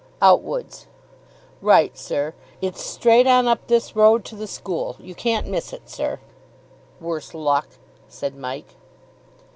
"Outwood's." "Right, sir. It's straight on up this road to the school. You can't miss it, sir." "Worse luck," said Mike.